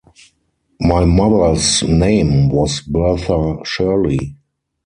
My mother’s name was Bertha Shirley.